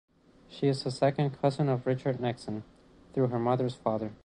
She is a second cousin of Richard Nixon through her mother's father.